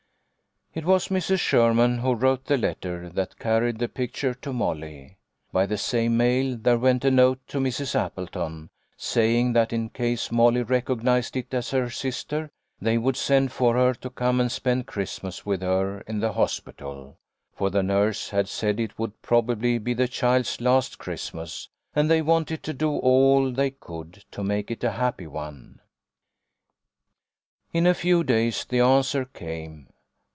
It was Mrs. Sherman who wrote the letter that carried the picture to Molly. By the same mail there went a note to Mrs. Appleton, saying that in case Molly recognised it as her sister, they would send for her to come and spend Christmas with her in the hospital, for the nurse had said it would probably be the child's last Christmas, and they 212 THE LITTLE COLONEL'S HOLIDAYS. wanted to do all they could to make it a happy one. In a few days the answer came.